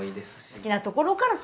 好きなところから？